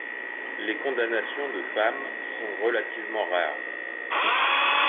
Les condamnations de femmes sont relativement rares.